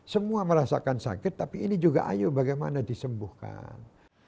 semua merasakan sakit tapi ini juga ayo bagaimana disembuhkan